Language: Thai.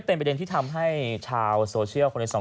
ว่าบางทีต้องการที่จะพักผ่อนแบบนอนหลับสนิทไป